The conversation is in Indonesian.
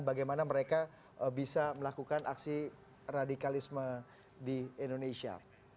bagaimana mereka bisa melakukan aksi radikalisme di indonesia